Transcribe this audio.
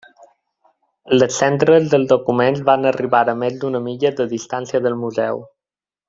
Les cendres dels documents van arribar a més d'una milla de distància del museu.